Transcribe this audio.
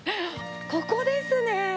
ここですね。